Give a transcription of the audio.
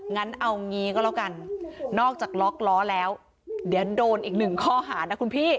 งั้นเอางี้ก็แล้วกันนอกจากล็อกล้อแล้วเดี๋ยวโดนอีกหนึ่งข้อหานะคุณพี่